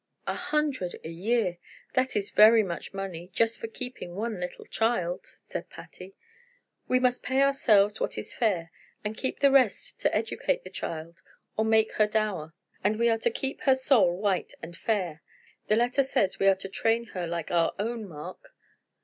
"A hundred a year! This is very much money, just for keeping one little child," said Patty. "We must pay ourselves what is fair, and keep the rest to educate the child, or make her dower." "And we must keep her soul white and fair. The letter says, we are to train her like our own, Mark."